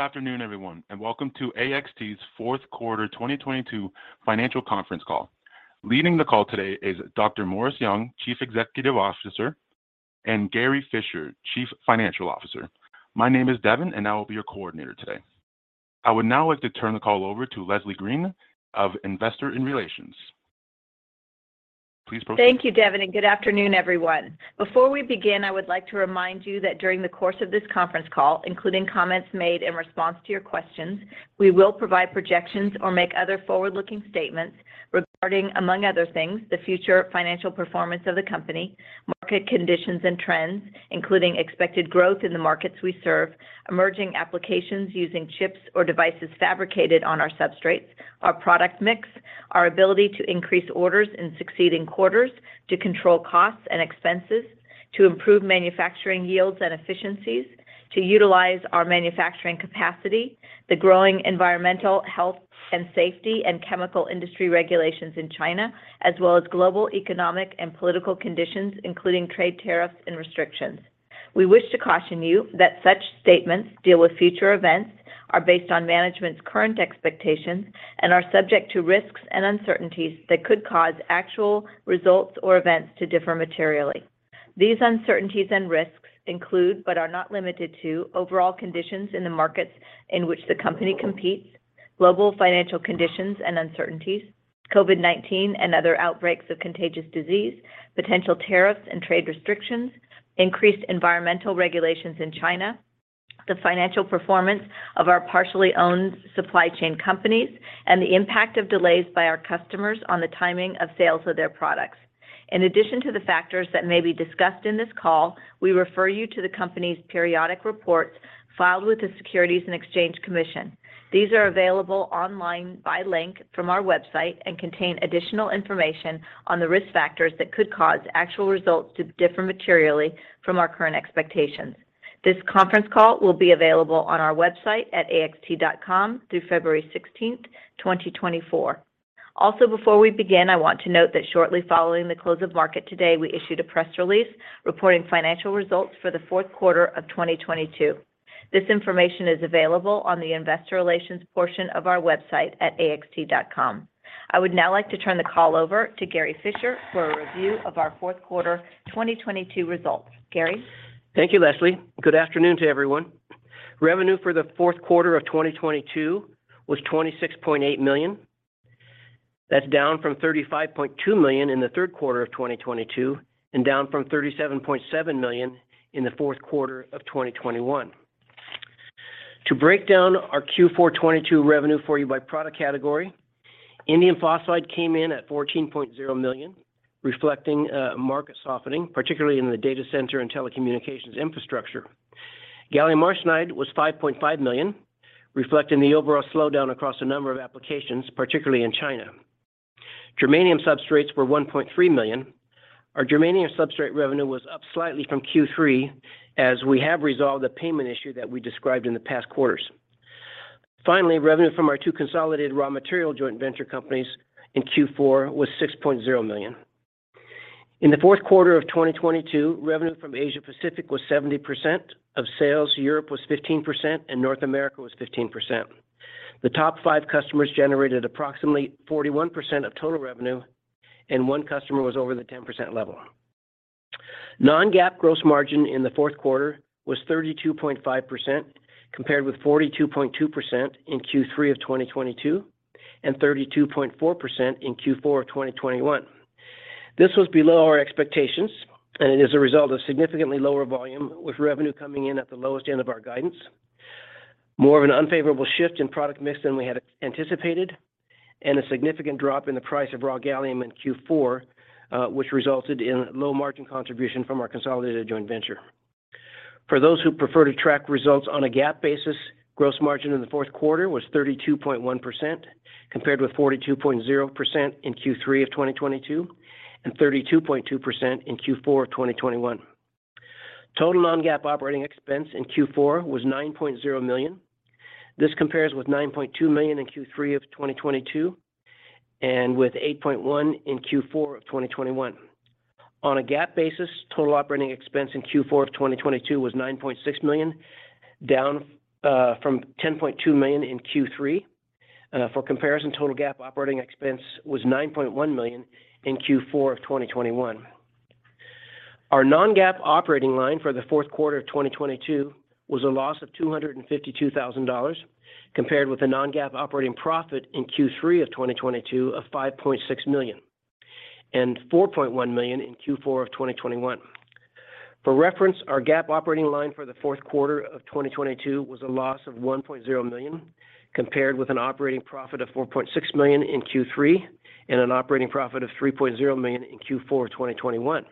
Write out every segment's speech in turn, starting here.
Good afternoon, everyone. Welcome to AXT's fourth quarter 2022 financial conference call. Leading the call today is Dr. Morris Young, Chief Executive Officer, and Gary Fischer, Chief Financial Officer. My name is Devin. I will be your Coordinator today. I would now like to turn the call over to Leslie Green of Investor Relations. Please proceed. Thank you, Devin, and good afternoon, everyone. Before we begin, I would like to remind you that during the course of this conference call, including comments made in response to your questions, we will provide projections or make other forward-looking statements regarding, among other things, the future financial performance of the company, market conditions and trends, including expected growth in the markets we serve, emerging applications using chips or devices fabricated on our substrates, our product mix, our ability to increase orders in succeeding quarters, to control costs and expenses, to improve manufacturing yields and efficiencies, to utilize our manufacturing capacity, the growing environmental, health and safety and chemical industry regulations in China, as well as global economic and political conditions, including trade tariffs and restrictions. We wish to caution you that such statements deal with future events, are based on management's current expectations, and are subject to risks and uncertainties that could cause actual results or events to differ materially. These uncertainties and risks include, but are not limited to, overall conditions in the markets in which the company competes, global financial conditions and uncertainties, COVID-19 and other outbreaks of contagious disease, potential tariffs and trade restrictions, increased environmental regulations in China, the financial performance of our partially owned supply chain companies, and the impact of delays by our customers on the timing of sales of their products. In addition to the factors that may be discussed in this call, we refer you to the company's periodic reports filed with the Securities and Exchange Commission. These are available online by link from our website and contain additional information on the risk factors that could cause actual results to differ materially from our current expectations. This conference call will be available on our website at axt.com through February 16th, 2024. Also before we begin, I want to note that shortly following the close of market today, we issued a press release reporting financial results for the fourth quarter of 2022. This information is available on the investor relations portion of our website at axt.com. I would now like to turn the call over to Gary Fischer for a review of our fourth quarter 2022 results. Gary? Thank you, Leslie. Good afternoon to everyone. Revenue for the fourth quarter of 2022 was $26.8 million. That's down from $35.2 million in the third quarter of 2022 and down from $37.7 million in the fourth quarter of 2021. To break down our Q4 2022 revenue for you by product category, indium phosphide came in at $14.0 million, reflecting a market softening, particularly in the data center and telecommunications infrastructure. gallium arsenide was $5.5 million, reflecting the overall slowdown across a number of applications, particularly in China. germanium substrates were $1.3 million. Our germanium substrate revenue was up slightly from Q3 as we have resolved a payment issue that we described in the past quarters. Revenue from our two consolidated raw material joint venture companies in Q4 was $6.0 million. In the fourth quarter of 2022, revenue from Asia Pacific was 70% of sales, Europe was 15%, and North America was 15%. The top five customers generated approximately 41% of total revenue, and one customer was over the 10% level. Non-GAAP gross margin in the fourth quarter was 32.5% compared with 42.2% in Q3 of 2022 and 32.4% in Q4 of 2021. This was below our expectations, and it is a result of significantly lower volume, with revenue coming in at the lowest end of our guidance, more of an unfavorable shift in product mix than we had anticipated, and a significant drop in the price of raw gallium in Q4, which resulted in low margin contribution from our consolidated joint venture. For those who prefer to track results on a GAAP basis, gross margin in the fourth quarter was 32.1% compared with 42.0% in Q3 of 2022 and 32.2% in Q4 of 2021. Total non-GAAP operating expense in Q4 was $9.0 million. This compares with $9.2 million in Q3 of 2022 and with $8.1 million in Q4 of 2021. On a GAAP basis, total operating expense in Q4 of 2022 was $9.6 million, down from $10.2 million in Q3. For comparison, total GAAP operating expense was $9.1 million in Q4 of 2021. Our non-GAAP operating line for the fourth quarter of 2022 was a loss of $252,000 compared with a non-GAAP operating profit in Q3 of 2022 of $5.6 million and $4.1 million in Q4 of 2021. For reference, our GAAP operating line for the fourth quarter of 2022 was a loss of $1.0 million compared with an operating profit of $4.6 million in Q3 and an operating profit of $3.0 million in Q4 of 2021.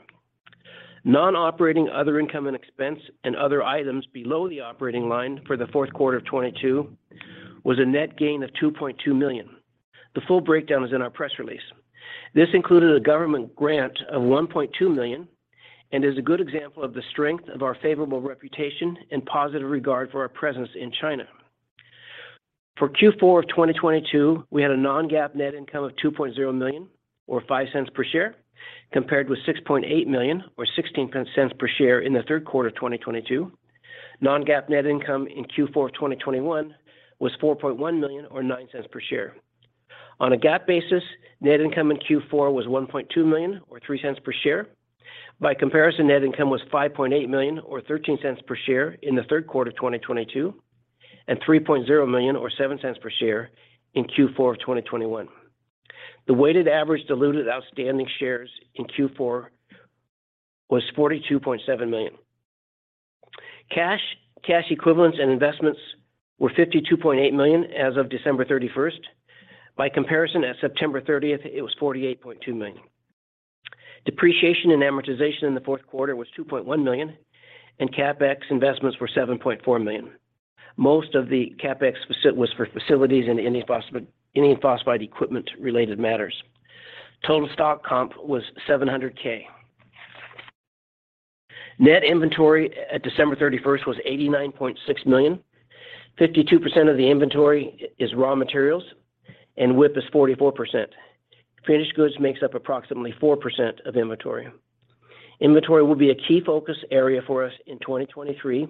Non-operating other income and expense and other items below the operating line for the fourth quarter of 2022 was a net gain of $2.2 million. The full breakdown is in our press release. This included a government grant of $1.2 million and is a good example of the strength of our favorable reputation and positive regard for our presence in China. For Q4 of 2022, we had a non-GAAP net income of $2.0 million or $0.05 per share, compared with $6.8 million or $0.16 per share in the third quarter 2022. Non-GAAP net income in Q4 2021 was $4.1 million or $0.09 per share. On a GAAP basis, net income in Q4 was $1.2 million or $0.03 per share. Net income was $5.8 million or $0.13 per share in the third quarter 2022, and $3.0 million or $0.07 per share in Q4 2021. The weighted average diluted outstanding shares in Q4 was 42.7 million. Cash, cash equivalents, and investments were $52.8 million as of December 31st. At September 30th, it was $48.2 million. Depreciation and amortization in the fourth quarter was $2.1 million. CapEx investments were $7.4 million. Most of the CapEx was for facilities and indium phosphide equipment related matters. Total stock comp was $700K. Net inventory at December 31st was $89.6 million. 52% of the inventory is raw materials. WIP is 44%. Finished goods makes up approximately 4% of inventory. Inventory will be a key focus area for us in 2023.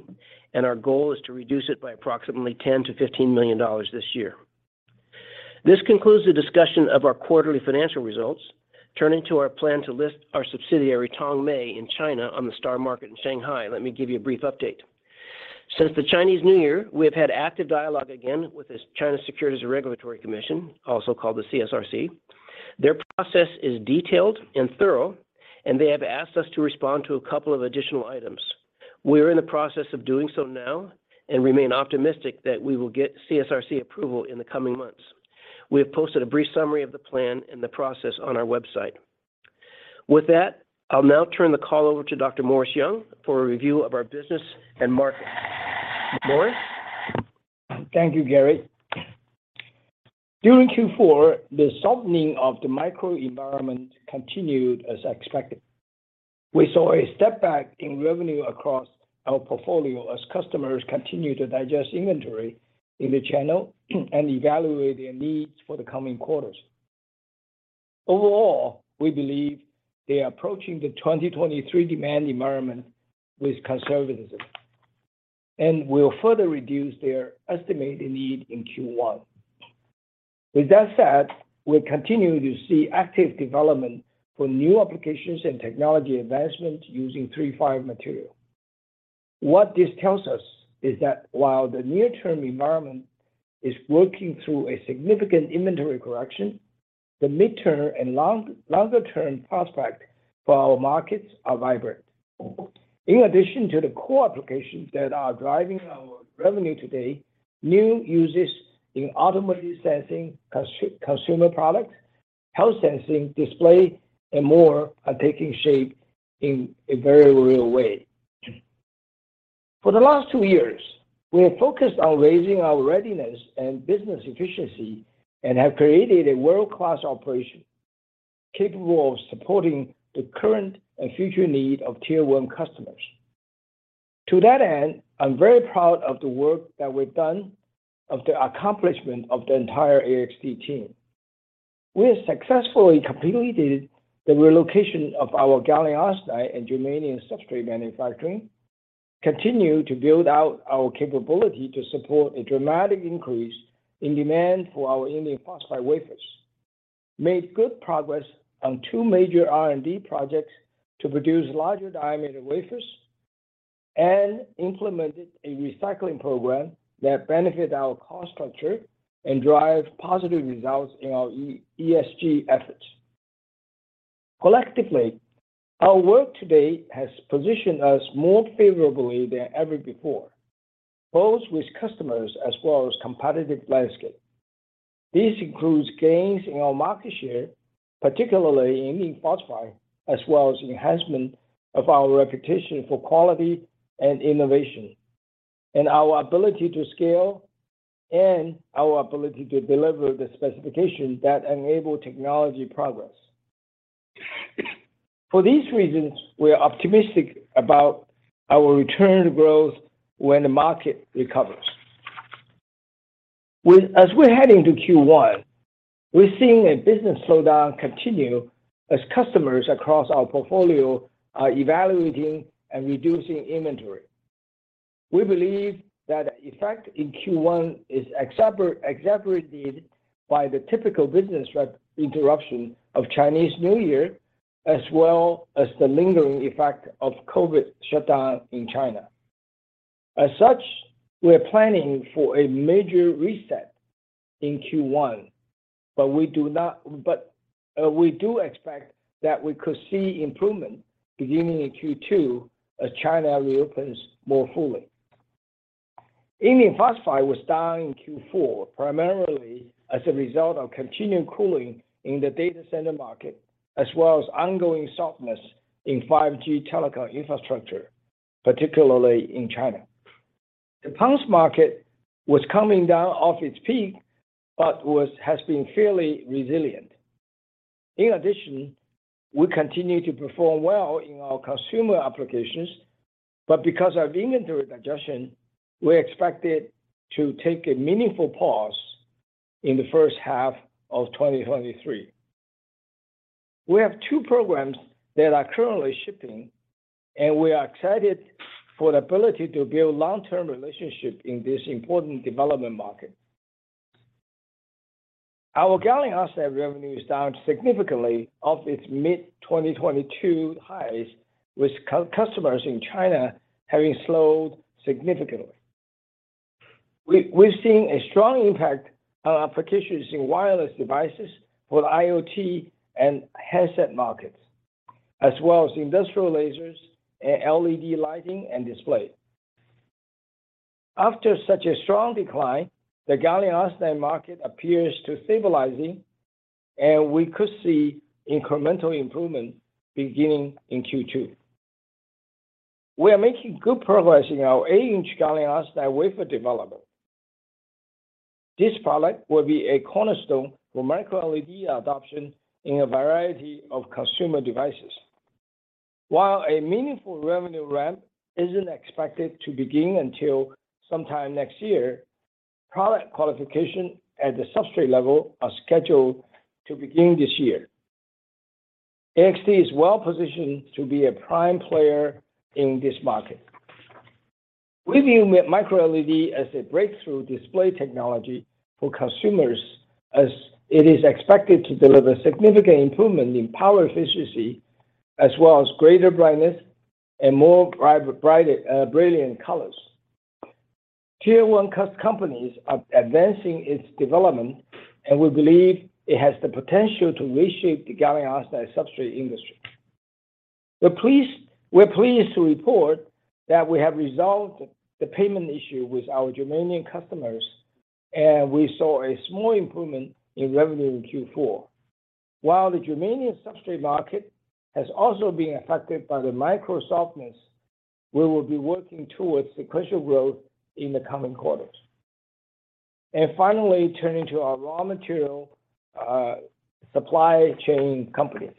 Our goal is to reduce it by approximately $10 million-$15 million this year. This concludes the discussion of our quarterly financial results. Turning to our plan to list our subsidiary, Tongmei, in China on the STAR Market in Shanghai. Let me give you a brief update. Since the Chinese New Year, we have had active dialogue again with the China Securities Regulatory Commission, also called the CSRC. Their process is detailed and thorough. They have asked us to respond to a couple of additional items. We are in the process of doing so now and remain optimistic that we will get CSRC approval in the coming months. We have posted a brief summary of the plan and the process on our website. With that, I'll now turn the call over to Dr. Morris Young for a review of our business and market. Morris? Thank you, Gary. During Q4, the softening of the microenvironment continued as expected. We saw a step back in revenue across our portfolio as customers continued to digest inventory in the channel and evaluate their needs for the coming quarters. Overall, we believe they are approaching the 2023 demand environment with conservatism, and will further reduce their estimated need in Q1. With that said, we continue to see active development for new applications and technology advancement using III-V material. What this tells us is that while the near-term environment is working through a significant inventory correction, the mid-term and longer term prospect for our markets are vibrant. In addition to the core applications that are driving our revenue today, new uses in automotive sensing, consumer products, health sensing, display, and more are taking shape in a very real way. For the last two years, we have focused on raising our readiness and business efficiency and have created a world-class operation capable of supporting the current and future need of Tier 1 customers. To that end, I'm very proud of the work that we've done, of the accomplishment of the entire AXT team. We have successfully completed the relocation of our gallium arsenide and germanium substrates manufacturing, continue to build out our capability to support a dramatic increase in demand for our indium phosphide wafers, made good progress on two major R&D projects to produce larger diameter wafers, and implemented a recycling program that benefit our cost structure and drive positive results in our ESG efforts. Collectively, our work to date has positioned us more favorably than ever before, both with customers as well as competitive landscape. This includes gains in our market share, particularly in indium phosphide, as well as enhancement of our reputation for quality and innovation, and our ability to scale and our ability to deliver the specifications that enable technology progress. For these reasons, we are optimistic about our return to growth when the market recovers. As we're heading to Q1, we're seeing a business slowdown continue as customers across our portfolio are evaluating and reducing inventory. We believe that the effect in Q1 is exacerbated by the typical business interruption of Chinese New Year, as well as the lingering effect of COVID shutdown in China. We're planning for a major reset in Q1, we do expect that we could see improvement beginning in Q2 as China reopens more fully. Indium phosphide was down in Q4, primarily as a result of continued cooling in the data center market, as well as ongoing softness in 5G telecom infrastructure, particularly in China. The pulse market was coming down off its peak, but has been fairly resilient. In addition, we continue to perform well in our consumer applications, but because of inventory digestion, we're expected to take a meaningful pause in the first half of 2023. We have two programs that are currently shipping, and we are excited for the ability to build long-term relationship in this important development market. Our gallium arsenide revenue is down significantly of its mid-2022 highs, with customers in China having slowed significantly. We're seeing a strong impact on applications in wireless devices for the IoT and headset markets, as well as industrial lasers and LED lighting and display. After such a strong decline, the gallium arsenide market appears to stabilizing, and we could see incremental improvement beginning in Q2. We are making good progress in our 8-inch gallium arsenide wafer development. This product will be a cornerstone for microLED adoption in a variety of consumer devices. While a meaningful revenue ramp isn't expected to begin until sometime next year, product qualification at the substrate level are scheduled to begin this year. AXT is well-positioned to be a prime player in this market. We view microLED as a breakthrough display technology for consumers as it is expected to deliver significant improvement in power efficiency as well as greater brightness and more bright, brilliant colors. Tier One companies are advancing its development, and we believe it has the potential to reshape the gallium arsenide substrate industry. We're pleased to report that we have resolved the payment issue with our germanium customers. We saw a small improvement in revenue in Q4. While the germanium substrate market has also been affected by the micro softness, we will be working towards sequential growth in the coming quarters. Finally, turning to our raw material supply chain companies.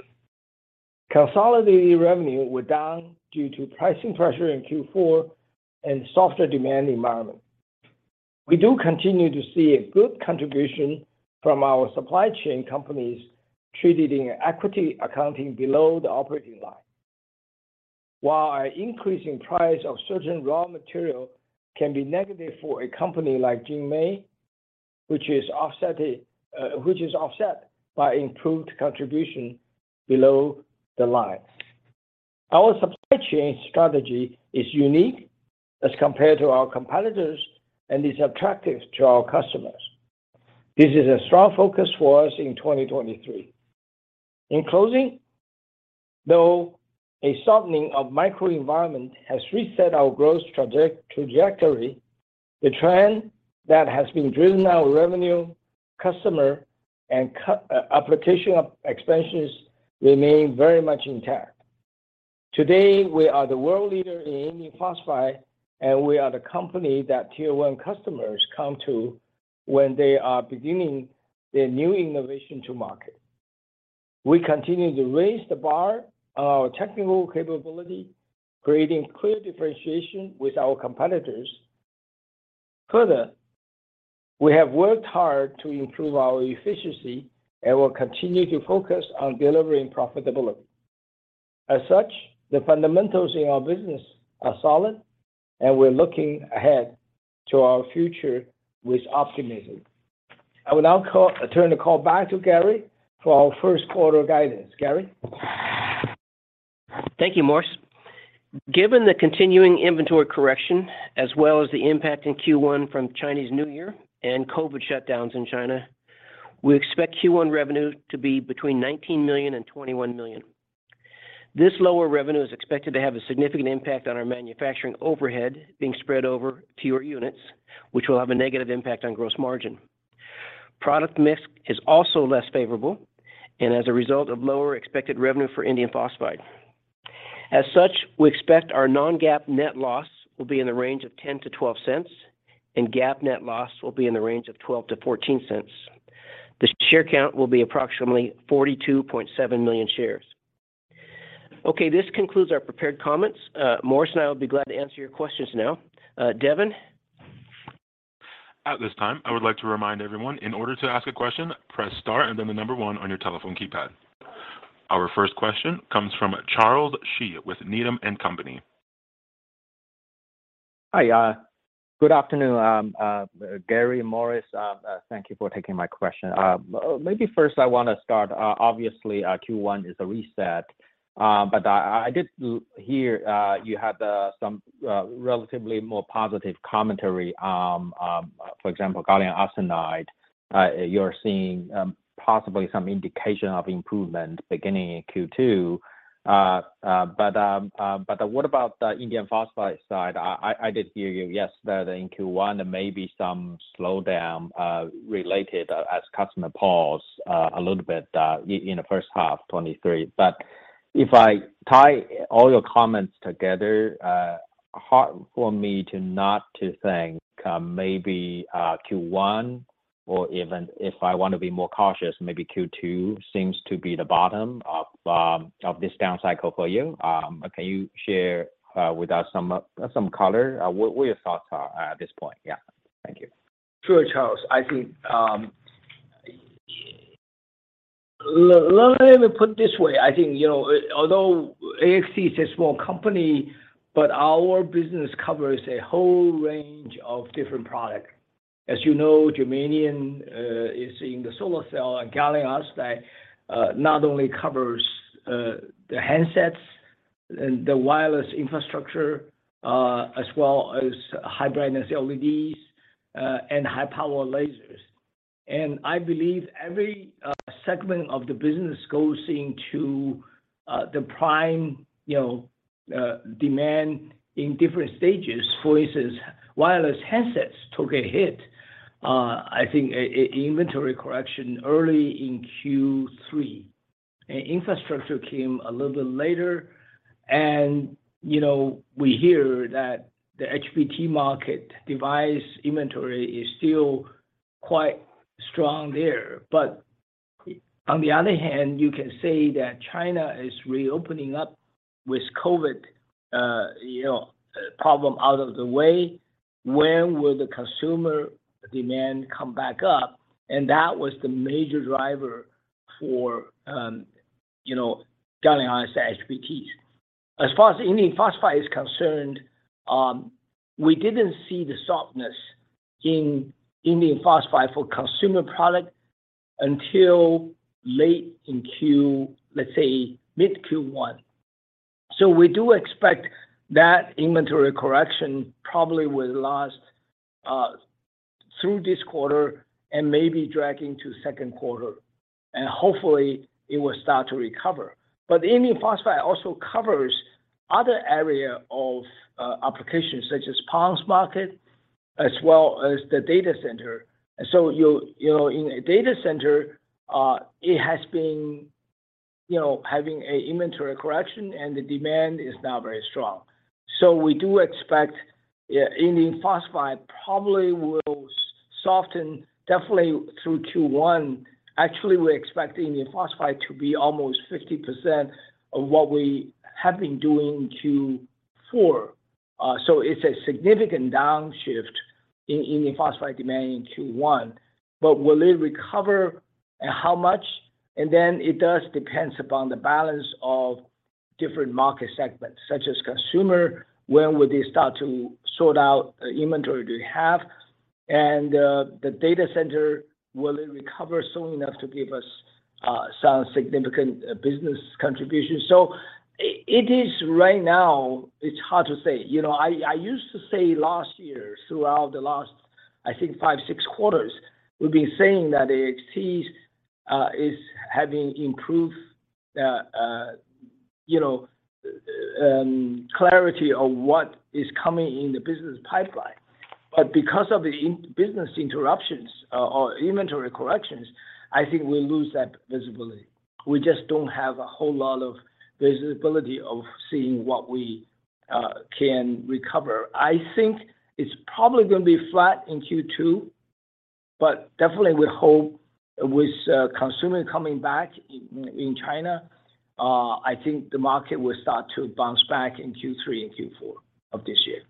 Consolidated revenue were down due to pricing pressure in Q4 and softer demand environment. We do continue to see a good contribution from our supply chain companies treated in equity accounting below the operating line. While increasing price of certain raw material can be negative for a company like JinMei, which is offset by improved contribution below the line. Our supply chain strategy is unique as compared to our competitors and is attractive to our customers. This is a strong focus for us in 2023. In closing, though a softening of microenvironment has reset our growth trajectory, the trend that has been driven our revenue, customer, and application expansions remain very much intact. Today, we are the world leader in indium phosphide, and we are the company that Tier 1 customers come to when they are beginning their new innovation to market. We continue to raise the bar on our technical capability, creating clear differentiation with our competitors. Further, we have worked hard to improve our efficiency and will continue to focus on delivering profitability. As such, the fundamentals in our business are solid, and we're looking ahead to our future with optimism. I will now return the call back to Gary for our first quarter guidance. Gary? Thank you, Morris. Given the continuing inventory correction, as well as the impact in Q1 from Chinese New Year and COVID shutdowns in China, we expect Q1 revenue to be between $19 million and $21 million. This lower revenue is expected to have a significant impact on our manufacturing overhead being spread over fewer units, which will have a negative impact on gross margin. Product mix is also less favorable, and as a result of lower expected revenue for indium phosphide. As such, we expect our non-GAAP net loss will be in the range of $0.10-$0.12, and GAAP net loss will be in the range of $0.12-$0.14. The share count will be approximately 42.7 million shares. Okay. This concludes our prepared comments. Morris and I will be glad to answer your questions now. Devin? At this time, I would like to remind everyone, in order to ask a question, press star and then the number one on your telephone keypad. Our first question comes from Charles Shi with Needham & Company. Hi. Good afternoon, Gary, Morris. Thank you for taking my question. Maybe first I wanna start, obviously, Q1 is a reset, but I did hear you had some relatively more positive commentary, for example, gallium arsenide. You're seeing possibly some indication of improvement beginning in Q2. But what about the indium phosphide side? I did hear you, yes, that in Q1 there may be some slowdown related as customer pause a little bit in the first half 2023. If I tie all your comments together, hard for me to not to think maybe Q1 or even if I want to be more cautious, maybe Q2 seems to be the bottom of this down cycle for you. Can you share with us some color, what your thoughts are at this point? Yeah. Thank you. Sure, Charles. I think, let me put it this way: I think, you know, although AXT is a small company, but our business covers a whole range of different product. As you know, germanium is in the solar cell, and gallium arsenide not only covers the handsets and the wireless infrastructure, as well as high brightness LEDs, and high power lasers. I believe every segment of the business goes into the prime, you know, demand in different stages. For instance, wireless handsets took a hit, I think a inventory correction early in Q3. Infrastructure came a little bit later. You know, we hear that the HBT market device inventory is still quite strong there. On the other hand, you can say that China is reopening up with COVID-19, you know, problem out of the way. When will the consumer demand come back up? That was the major driver for, you know, gallium arsenide HBTs. As far as indium phosphide is concerned, we didn't see the softness in indium phosphide for consumer product until late in mid Q1. We do expect that inventory correction probably will last through this quarter and maybe drag into second quarter, and hopefully it will start to recover. Indium phosphide also covers other area of applications such as PONs market as well as the data center. You know, in a data center, it has been, you know, having a inventory correction, and the demand is not very strong. We do expect, yeah, indium phosphide probably will soften definitely through Q1. Actually, we expect indium phosphide to be almost 50% of what we have been doing Q4. It's a significant downshift in indium phosphide demand in Q1. Will it recover? How much? It does depends upon the balance of different market segments, such as consumer. When will they start to sort out inventory they have? The data center, will it recover soon enough to give us some significant business contribution? It is right now, it's hard to say. You know, I used to say last year, throughout the last, I think five, six quarters, we've been saying that AXT is having improved, you know, clarity on what is coming in the business pipeline. Because of the business interruptions or inventory corrections, I think we lose that visibility. We just don't have a whole lot of visibility of seeing what we can recover. I think it's probably gonna be flat in Q2, but definitely we hope with consumer coming back in China, I think the market will start to bounce back in Q3 and Q4 of this year.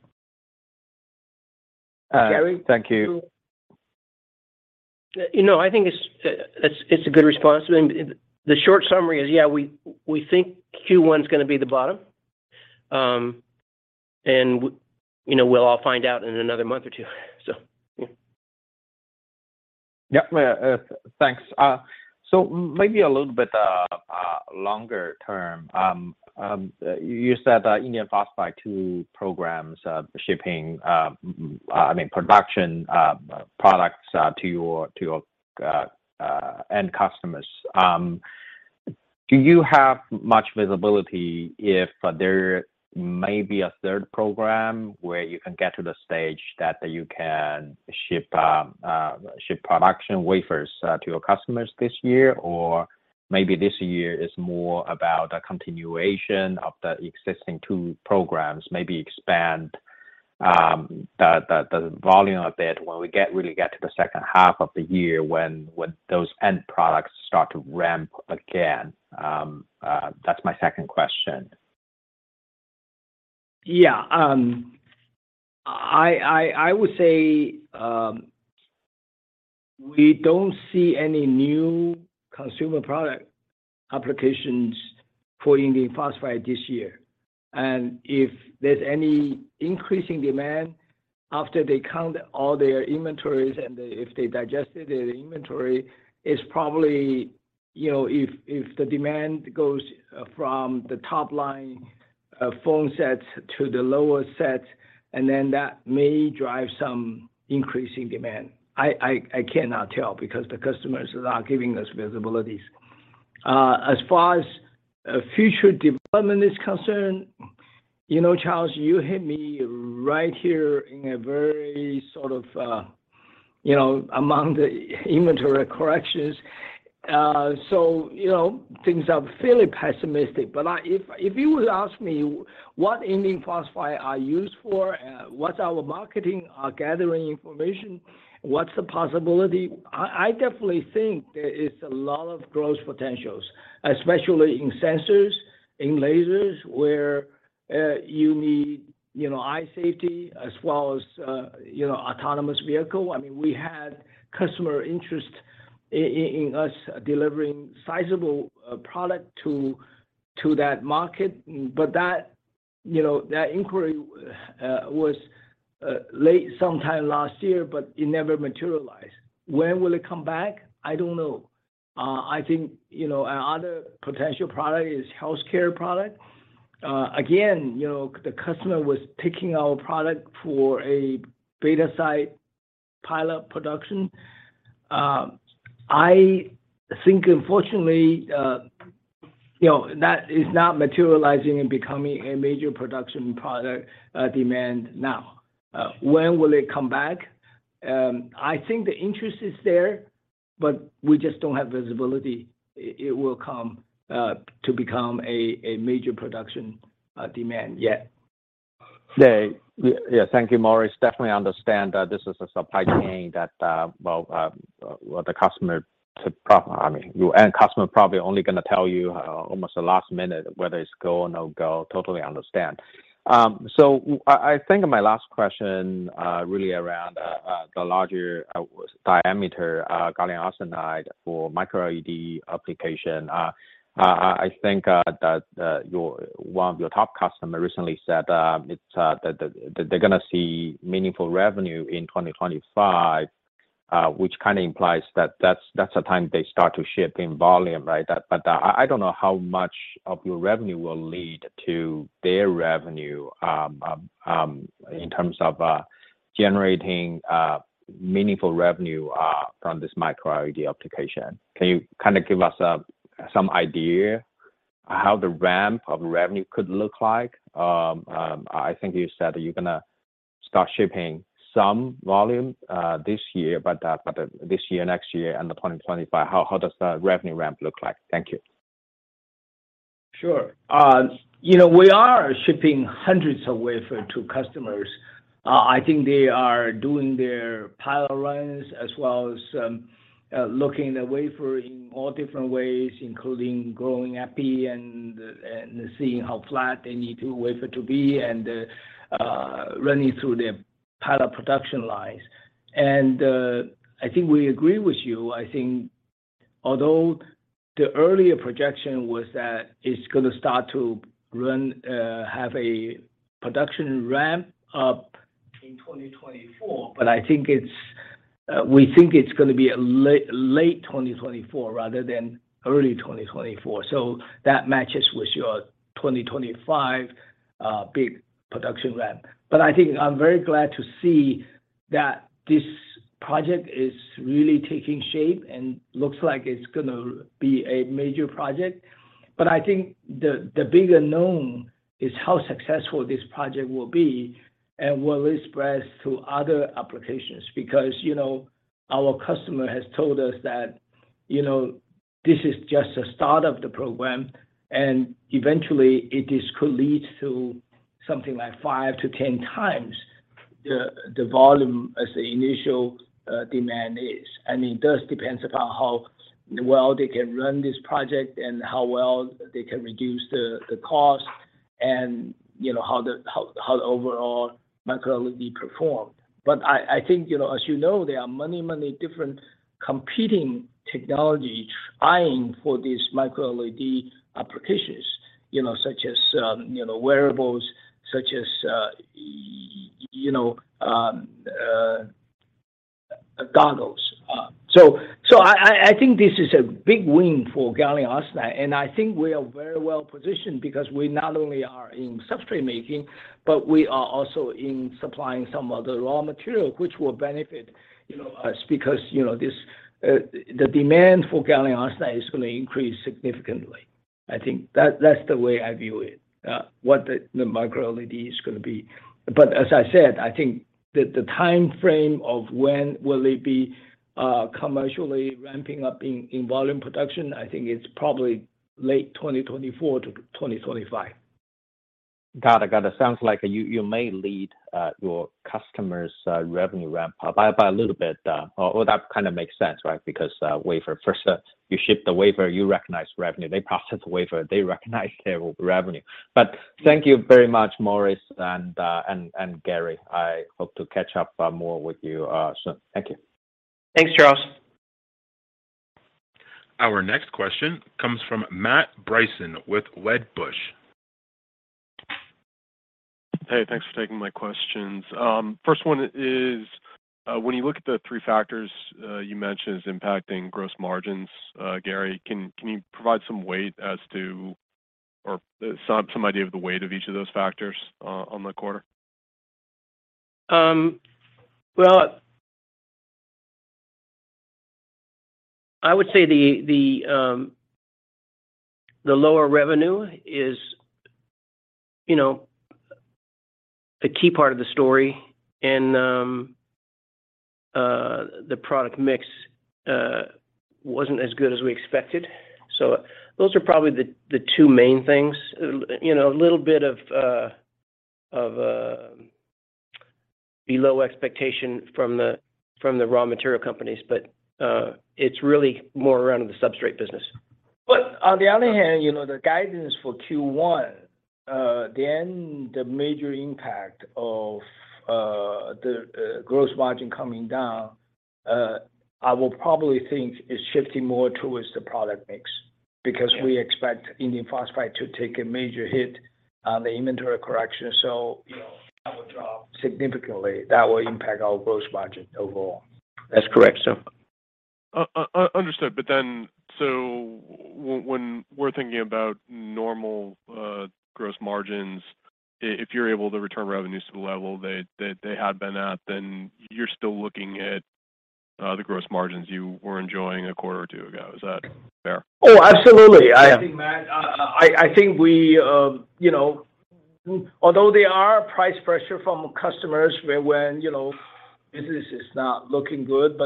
Gary? Thank you. You know, I think it's a good response. I mean, the short summary is, yeah, we think Q1 is gonna be the bottom. You know, we'll all find out in another month or two. Yeah. Yeah. Thanks. Maybe a little bit longer term. You said indium phosphide two programs shipping, I mean, production products to your end customers. Do you have much visibility if there may be a third program where you can get to the stage that you can ship production wafers to your customers this year? Maybe this year is more about a continuation of the existing two programs, maybe expand the volume a bit when we really get to the second half of the year when those end products start to ramp again? That's my second question. Yeah. I would say, we don't see any new consumer product applications for indium phosphide this year. If there's any increase in demand after they count all their inventories and if they digested their inventory, it's probably, you know, if the demand goes from the top line, phone sets to the lower sets, and then that may drive some increase in demand. I cannot tell because the customers are not giving us visibilities. As far as future development is concerned. You know, Charles, you hit me right here in a very sort of, you know, among the inventory corrections. You know, things are fairly pessimistic. Like, if you would ask me what indium phosphide are used for, what's our marketing, our gathering information, what's the possibility, I definitely think there is a lot of growth potentials, especially in sensors, in lasers, where you need, you know, eye safety as well as, you know, autonomous vehicle. I mean, we had customer interest in us delivering sizable product to that market. That, you know, that inquiry was late sometime last year, but it never materialized. When will it come back? I don't know. I think, you know, our other potential product is healthcare product. Again, you know, the customer was taking our product for a beta site pilot production. I think unfortunately, you know, that is not materializing and becoming a major production product demand now. When will it come back? I think the interest is there, but we just don't have visibility it will come to become a major production demand yet. Yeah. Thank you, Morris. Definitely understand that this is a supply chain that, well, well, the customer I mean, your end customer probably only gonna tell you almost the last minute whether it's go or no-go. Totally understand. I think my last question really around the larger diameter gallium arsenide for microLED application. I think that one of your top customer recently said it's that they're gonna see meaningful revenue in 2025, which kinda implies that that's the time they start to ship in volume, right? But I don't know how much of your revenue will lead to their revenue in terms of generating meaningful revenue from this microLED application. Can you kinda give us some idea how the ramp of revenue could look like? I think you said that you're gonna start shipping some volume this year, but this year, next year, and then 2025. How does that revenue ramp look like? Thank you. Sure. You know, we are shipping hundreds of wafer to customers. I think they are doing their pilot runs as well as looking at wafer in all different ways, including growing epi and seeing how flat they need the wafer to be and running through their pilot production lines. I think we agree with you. I think although the earlier projection was that it's gonna start to run, have a production ramp up in 2024, but I think it's, we think it's gonna be a late 2024 rather than early 2024. That matches with your 2025 big production ramp. I think I'm very glad to see that this project is really taking shape and looks like it's gonna be a major project. I think the bigger known is how successful this project will be and will it spread to other applications. You know, our customer has told us that, you know, this is just the start of the program, and eventually it could lead to something like 5x-10x the volume as the initial demand is. I mean, it does depends upon how well they can run this project and how well they can reduce the cost and, you know, how the overall microLED perform. I think, you know, as you know, there are many different competing technology eyeing for these microLED applications, you know, such as, you know, wearables, such as, you know, goggles. big win for gallium arsenide, and I think we are very well-positioned because we not only are in substrate making, but we are also in supplying some of the raw material, which will benefit, you know, us because, you know, this, the demand for gallium arsenide is gonna increase significantly. I think that's the way I view it, what the microLED is gonna be. As I said, I think the timeframe of when will it be commercially ramping up in volume production, I think it's probably late 2024 to 2025. Got it. Got it. Sounds like you may lead your customers' revenue ramp up by a little bit. Well, that kind of makes sense, right? Because wafer first. You ship the wafer, you recognize revenue. They process the wafer, they recognize their revenue. Thank you very much, Morris and Gary. I hope to catch up more with you soon. Thank you. Thanks, Charles. Our next question comes from Matt Bryson with Wedbush. Hey, thanks for taking my questions. First one is, when you look at the three factors, you mentioned as impacting gross margins, Gary, can you provide some weight as to... or some idea of the weight of each of those factors, on the quarter? Um, well- I would say the lower revenue is, you know, a key part of the story and the product mix wasn't as good as we expected. Those are probably the two main things. you know, a little bit of below expectation from the raw material companies, but it's really more around the substrate business. On the other hand, you know, the guidance for Q1, the major impact of the gross margin coming down, I will probably think is shifting more towards the product mix because we expect indium phosphide to take a major hit on the inventory correction. You know, that will drop significantly. That will impact our gross margin overall. That's correct, so. Understood. When we're thinking about normal, gross margins, if you're able to return revenues to the level they had been at, then you're still looking at the gross margins you were enjoying a quarter or two ago. Is that fair? Oh, absolutely. I. I think, Matt, I think we, you know, although there are price pressure from customers when, you know, business is not looking good,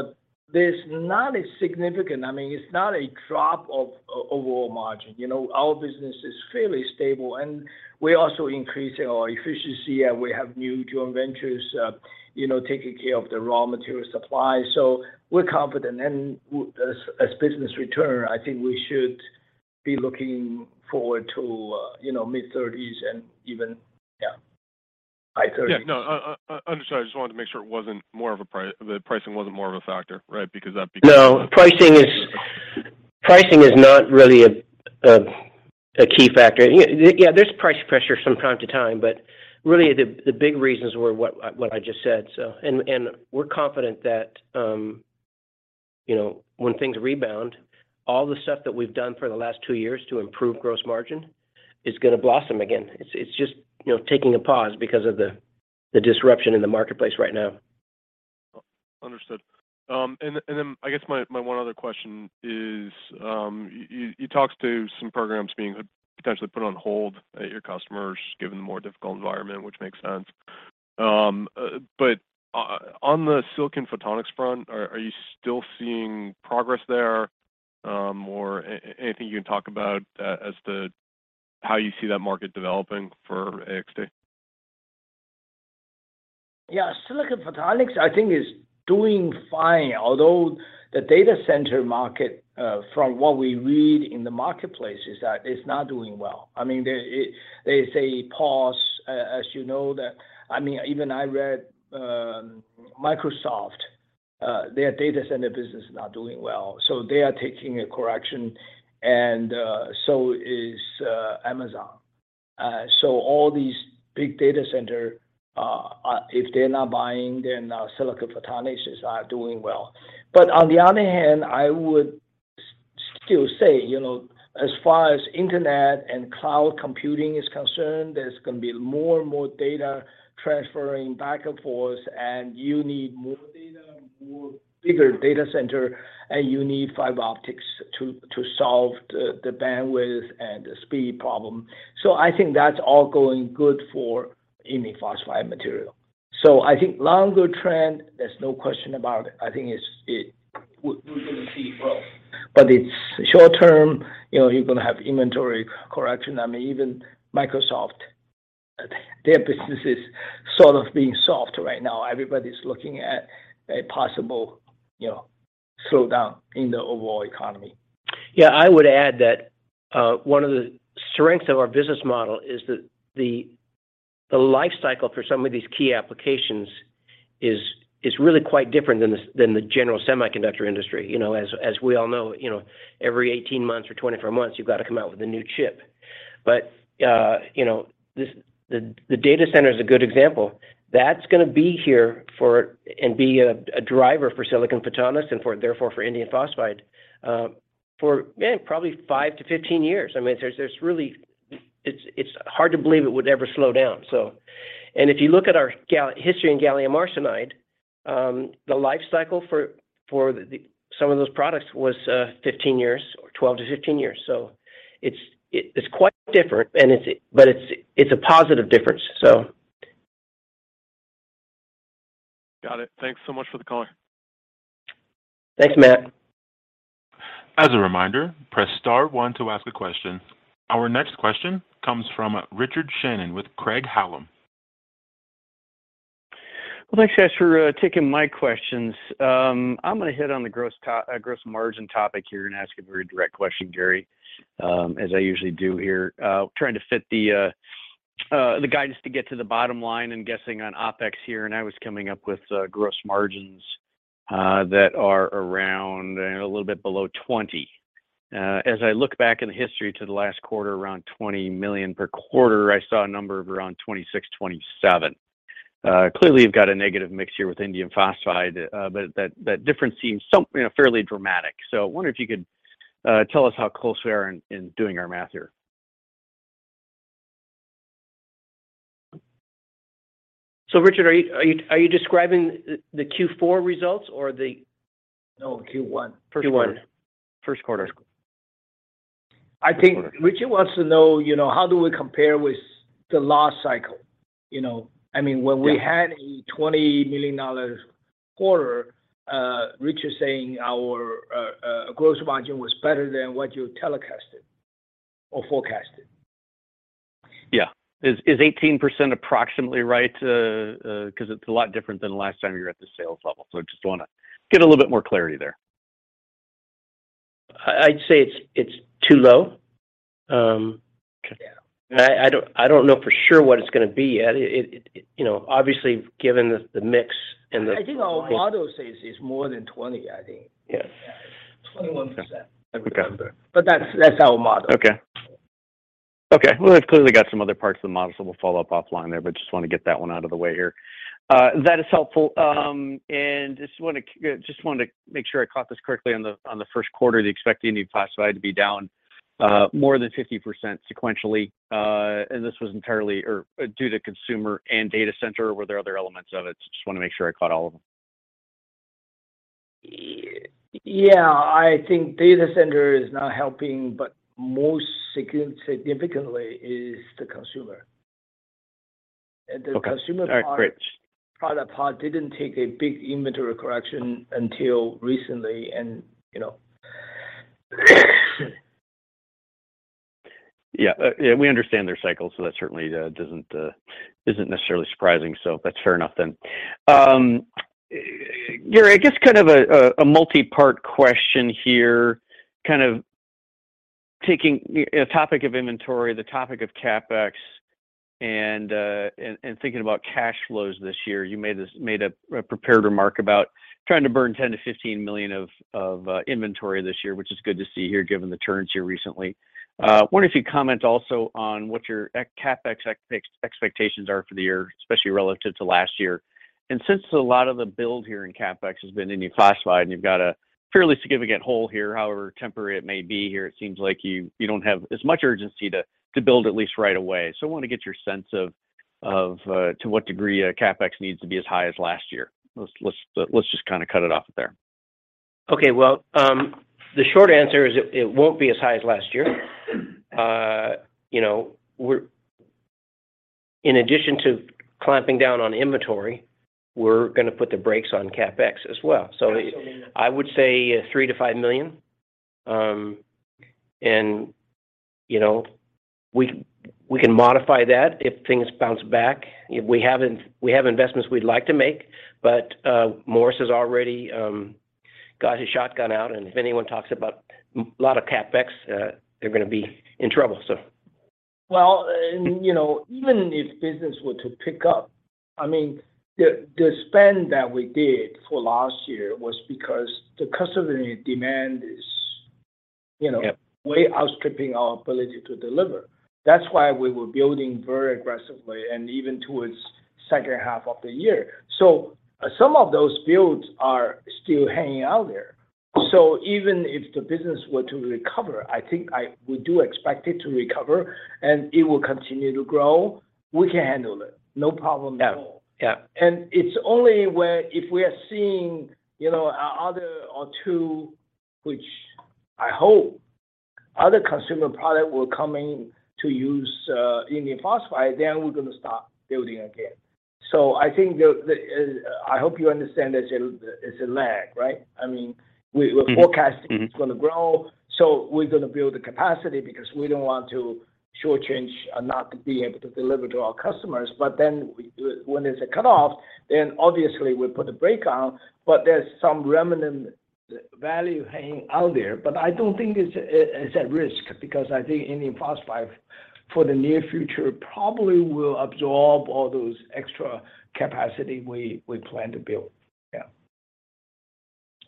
but there's not a significant. I mean, it's not a drop of overall margin. You know, our business is fairly stable, and we're also increasing our efficiency, and we have new joint ventures, you know, taking care of the raw material supply. We're confident. As business return, I think we should be looking forward to, you know, mid-30s and even, yeah, high 30s. Yeah, no, understand. I just wanted to make sure it wasn't more of a the pricing wasn't more of a factor, right? Because that becomes. No. Pricing is not really a key factor. Yeah, there's price pressure from time to time. Really the big reasons were what I just said. We're confident that, you know, when things rebound, all the stuff that we've done for the last two years to improve gross margin is gonna blossom again. It's just, you know, taking a pause because of the disruption in the marketplace right now. Understood. And then I guess my one other question is, you talked to some programs being potentially put on hold at your customers given the more difficult environment, which makes sense. On the silicon photonics front, are you still seeing progress there? Or anything you can talk about as to how you see that market developing for AXT? Yeah. Silicon photonics I think is doing fine, although the data center market, from what we read in the marketplace is that it's not doing well. I mean, there's a pause, as you know, that. I mean, even I read, Microsoft, their data center business is not doing well, they are taking a correction, and so is Amazon. All these big data center, if they're not buying, then silicon photonics are doing well. On the other hand, I would still say, you know, as far as internet and cloud computing is concerned, there's gonna be more and more data transferring back and forth, and you need more data, more bigger data center, and you need fiber optics to solve the bandwidth and the speed problem. I think that's all going good for indium phosphide. I think longer trend, there's no question about it. I think it's we're gonna see growth. It's short term, you know, you're gonna have inventory correction. Even Microsoft, their business is sort of being soft right now. Everybody's looking at a possible, you know, slowdown in the overall economy. Yeah. I would add that one of the strengths of our business model is that the life cycle for some of these key applications is really quite different than the general semiconductor industry, you know. As we all know, you know, every 18 months or 24 months, you've got to come out with a new chip. You know, this, the data center is a good example. That's gonna be here for, and be a driver for silicon photonics and for therefore for indium phosphide, for, man, probably 5-15 years. I mean, there's really, it's hard to believe it would ever slow down. If you look at our history in gallium arsenide, the life cycle for the some of those products was 15 years or 12-15 years. It's quite different and it's, but it's a positive difference, so. Got it. Thanks so much for the color. Thanks, Matt. As a reminder, press star one to ask a question. Our next question comes from Richard Shannon with Craig-Hallum. Well, thanks, guys, for taking my questions. I'm gonna hit on the gross margin topic here and ask a very direct question, Gary, as I usually do here. Trying to fit the guidance to get to the bottom line and guessing on OpEx here, I was coming up with gross margins that are around a little bit below 20%. As I look back in the history to the last quarter around $20 million per quarter, I saw a number of around 26%-27%. Clearly you've got a negative mix here with indium phosphide. That difference seems so, you know, fairly dramatic. I wonder if you could tell us how close we are in doing our math here. Richard, are you describing the Q4 results or? No, Q1. Q1. First quarter. I think Richard wants to know, you know, how do we compare with the last cycle, you know? Yeah... when we had a $20 million quarter, Richard's saying our gross margin was better than what you telecasted or forecasted. Yeah. Is 18% approximately right? 'cause it's a lot different than last time you were at this sales level. I just wanna get a little bit more clarity there. I'd say it's too low. Yeah. I don't know for sure what it's gonna be. It, you know, obviously, given the mix. I think our model says it's more than 20%, I think. Yes. 21%, if I remember. Okay. That's our model. Okay. It's clearly got some other parts of the model, so we'll follow up offline there, but just wanna get that one out of the way here. That is helpful. Just wanted to make sure I caught this correctly on the first quarter. The expected indium phosphide to be down more than 50% sequentially, and this was entirely or due to consumer and data center. Were there other elements of it? Just wanna make sure I caught all of them. Yeah, I think data center is not helping, but most significantly is the consumer. Okay. The consumer part. All right, great.... product part didn't take a big inventory correction until recently and, you know. We understand their cycle, so that certainly doesn't necessarily surprising, so that's fair enough then. Gary, I guess kind of a multi-part question here, kind of taking, you know, topic of inventory, the topic of CapEx, and thinking about cash flows this year. You made a prepared remark about trying to burn $10 million-$15 million of inventory this year, which is good to see here given the turns here recently. Wonder if you'd comment also on what your CapEx expectations are for the year, especially relative to last year. Since a lot of the build here in CapEx has been indium phosphide, and you've got a fairly significant hole here, however temporary it may be here, it seems like you don't have as much urgency to build at least right away. I wanna get your sense of, to what degree, CapEx needs to be as high as last year. Let's just kinda cut it off there. Okay. Well, the short answer is it won't be as high as last year. you know, In addition to clamping down on inventory, we're gonna put the brakes on CapEx as well. I would say $3 million-$5 million. you know, we can modify that if things bounce back. If we haven't, we have investments we'd like to make, Morris has already got his shotgun out, and if anyone talks about lot of CapEx, they're gonna be in trouble. Well, you know, even if business were to pick up, I mean, the spend that we did for last year was because the customer demand is, you know. Yep... way outstripping our ability to deliver. That's why we were building very aggressively and even towards second half of the year. Some of those builds are still hanging out there. Even if the business were to recover, we do expect it to recover, and it will continue to grow. We can handle it, no problem at all. Yeah. Yeah. It's only where if we are seeing, you know, other or two, which I hope other consumer product will come in to use, indium phosphide, then we're gonna start building again. I think the, I hope you understand there's a lag, right? I mean. Mm-hmm, mm-hmm We're forecasting it's gonna grow, so we're gonna build the capacity because we don't want to shortchange and not to be able to deliver to our customers. We, when there's a cutoff, then obviously we put a brake on, but there's some remnant value hanging out there. I don't think it's at risk because I think indium phosphide for the near future probably will absorb all those extra capacity we plan to build. Yeah.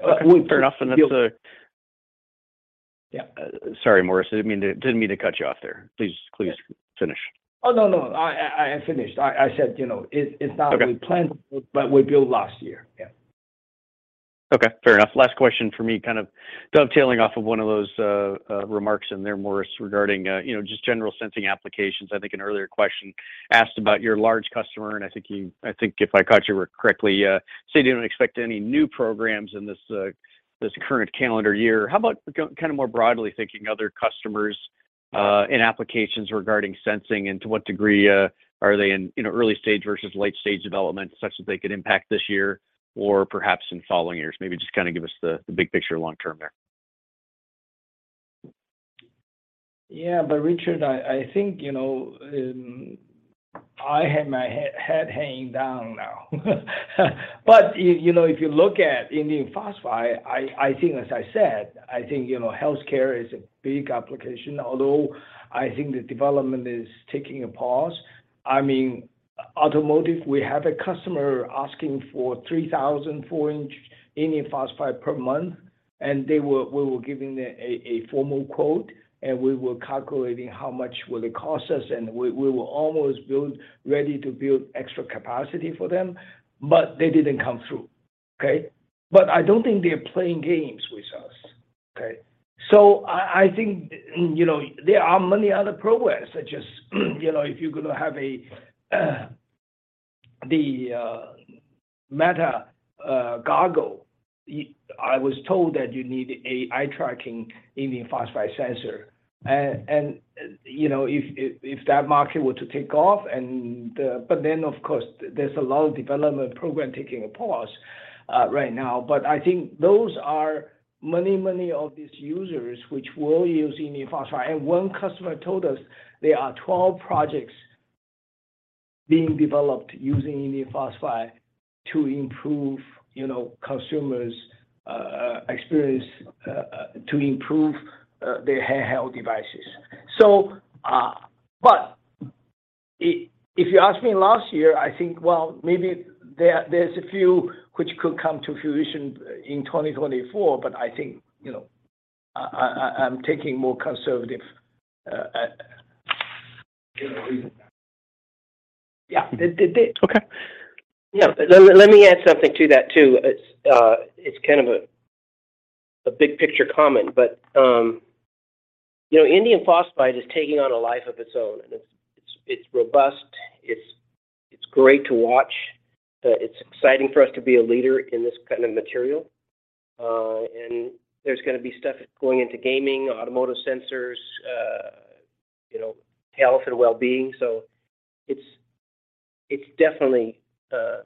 Fair enough, and that's. Yeah. Sorry, Morris. I didn't mean to cut you off there. Please finish. Oh, no. I finished. I said, you know, it's. Okay... we planned, but we build last year. Yeah. Okay. Fair enough. Last question for me, kind of dovetailing off of one of those remarks in there, Morris, regarding, you know, just general sensing applications. I think an earlier question asked about your large customer, and I think you, I think if I caught you correctly, said you didn't expect any new programs in this current calendar year. How about kinda more broadly thinking other customers and applications regarding sensing and to what degree are they in, you know, early stage versus late stage development such that they could impact this year or perhaps in following years? Maybe just kinda give us the big picture long term there. Yeah, but Richard, I think, you know, I have my head hanging down now. If, you know, if you look at indium phosphide, I think, as I said, I think, you know, healthcare is a big application, although I think the development is taking a pause. I mean, automotive, we have a customer asking for 3,000 4-inch indium phosphide per month, and we were giving them a formal quote, and we were calculating how much will it cost us, and we were almost ready to build extra capacity for them, but they didn't come through. Okay? I don't think they're playing games with us. Okay. I think, you know, there are many other programs such as, you know, if you're gonna have Meta goggles, I was told that you need a eye tracking indium phosphide sensor. You know, if that market were to take off. Of course, there's a lot of development program taking a pause right now. I think those are many of these users which will use indium phosphide. One customer told us there are 12 projects being developed using indium phosphide to improve, you know, consumers' experience to improve their handheld devices. If you asked me last year, I think, well, maybe there's a few which could come to fruition in 2024, but I think, you know, I'm taking more conservative, you know, reason. Yeah. Okay. Yeah. Let me add something to that too. It's kind of a big picture comment, but, you know, indium phosphide is taking on a life of its own, and it's robust. It's great to watch. It's exciting for us to be a leader in this kind of material. There's gonna be stuff going into gaming, automotive sensors, you know, health and wellbeing. It's definitely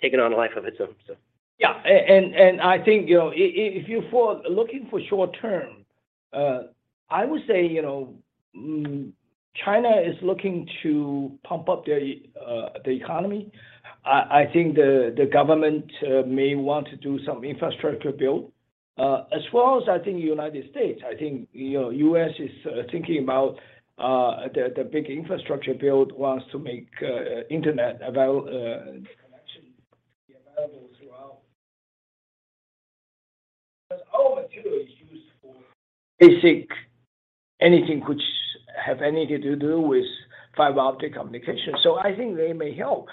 taken on a life of its own. I think, you know, if you're looking for short term, I would say, you know, China is looking to pump up their economy. I think the government may want to do some infrastructure build as well as I think United States. I think, you know, U.S. is thinking about the big infrastructure build, wants to make the internet connection to be available throughout. Our material is used for basic anything which have anything to do with fiber optic communication. I think they may help.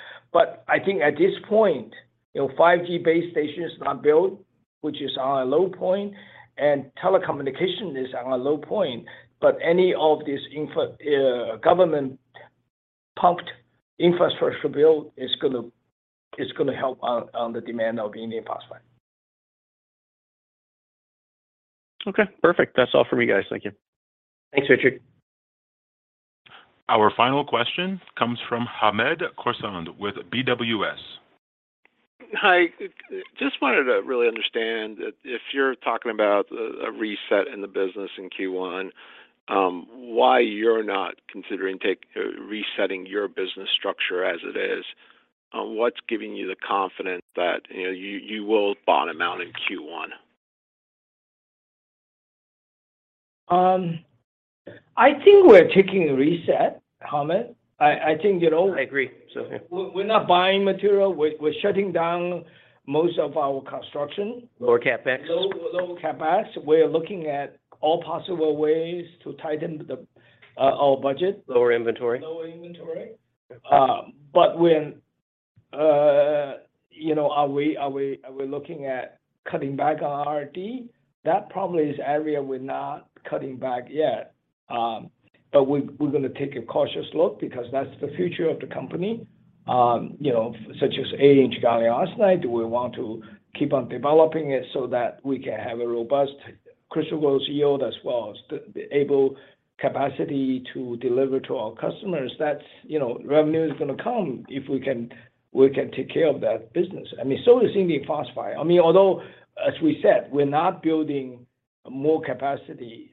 I think at this point, you know, 5G base stations are built, which is on a low point, and telecommunication is on a low point, but any of this. Government pumped infrastructure build is gonna help on the demand of indium phosphide. Okay. Perfect. That's all for me, guys. Thank you. Thanks, Richard. Our final question comes from Hamed Khorsand with BWS. Hi. Just wanted to really understand if you're talking about a reset in the business in Q1, why you're not considering resetting your business structure as it is. What's giving you the confidence that, you know, you will bottom out in Q1? I think we're taking a reset, Hamed. I think, you know. I agree. We're not buying material. We're shutting down most of our construction. Lower CapEx. Lower, lower CapEx. We're looking at all possible ways to tighten the, our budget. Lower inventory. Lower inventory. When, you know, are we looking at cutting back on R&D? That probably is area we're not cutting back yet. We're gonna take a cautious look because that's the future of the company. You know, such as 8-inch gallium arsenide, we want to keep on developing it so that we can have a robust crystal growth yield as well as the able capacity to deliver to our customers. That's, you know, revenue is gonna come if we can take care of that business. I mean, so is indium phosphide. I mean, although, as we said, we're not building more capacity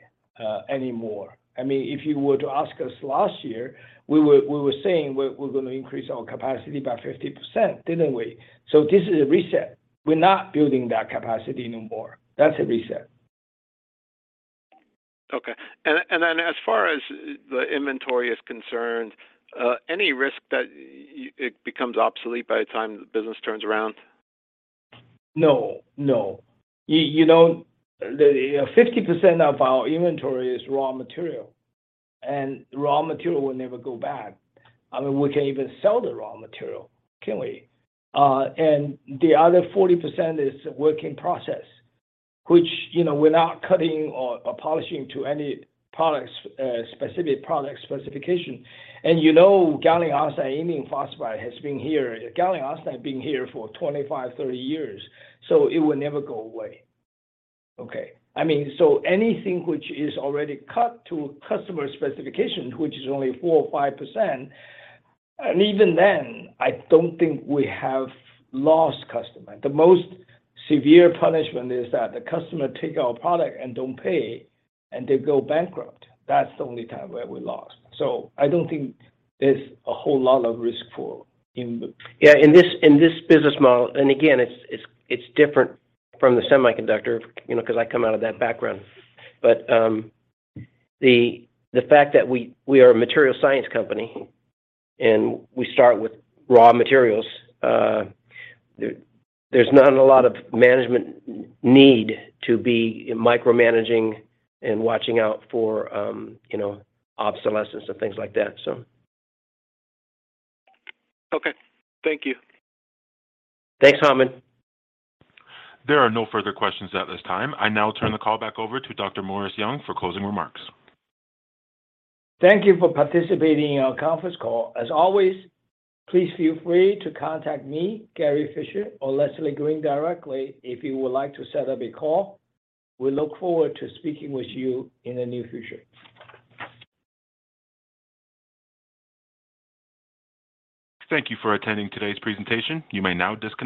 anymore. I mean, if you were to ask us last year, we were saying we're gonna increase our capacity by 50%, didn't we? This is a reset. We're not building that capacity anymore. That's a reset. Okay. As far as the inventory is concerned, any risk that it becomes obsolete by the time the business turns around? No. No. You know, the, you know, 50% of our inventory is raw material, and raw material will never go bad. I mean, we can even sell the raw material, can't we? The other 40% is work in process, which, you know, without cutting or polishing to any products, specific product specification. You know, gallium arsenide, indium phosphide has been here. Gallium arsenide has been here for 25, 30 years, so it will never go away. Okay. I mean, anything which is already cut to customer specification, which is only 4% or 5%, and even then, I don't think we have lost customer. The most severe punishment is that the customer take our product and don't pay, and they go bankrupt. That's the only time where we lost. I don't think there's a whole lot of risk for. Yeah. In this business model, again, it's different from the semiconductor, you know, 'cause I come out of that background. The fact that we are a material science company, we start with raw materials, there's not a lot of management need to be micromanaging and watching out for, you know, obsolescence and things like that. Okay. Thank you. Thanks, Hamed. There are no further questions at this time. I now turn the call back over to Dr. Morris Young for closing remarks. Thank you for participating in our conference call. As always, please feel free to contact me, Gary Fischer, or Leslie Green directly if you would like to set up a call. We look forward to speaking with you in the near future. Thank you for attending today's presentation. You may now